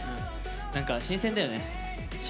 なんか新鮮だよね。